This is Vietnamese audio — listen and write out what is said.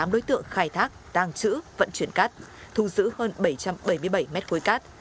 một mươi tám đối tượng khai thác tàng chữ vận chuyển cát thu giữ hơn bảy trăm bảy mươi bảy m ba cát